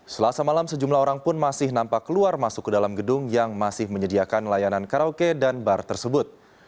selasa malam sejumlah orang pun masih nampak keluar masuk ke dalam gedung yang masih menyediakan layanan karaoke dan bar tersebut